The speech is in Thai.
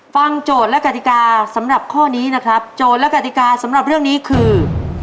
โจทย์และกติกาสำหรับข้อนี้นะครับโจทย์และกติกาสำหรับเรื่องนี้คือ